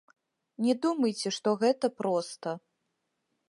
Не думайце, што гэта проста.